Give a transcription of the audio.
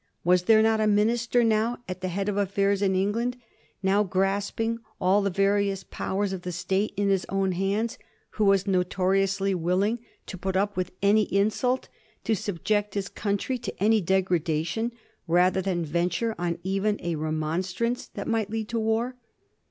Was there not a Minister now at the head of affairs in England, now grasping all the various powers of the state in his own hands, who was notoriously willing to put up with any insult, to subject his country to any degradation, rather than venture on even a remonstrance that might lead to war?